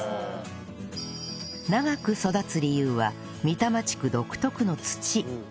長く育つ理由は三珠地区独特の土